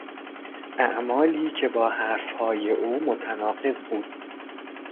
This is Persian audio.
اعمالی که با حرفهای او متناقض بود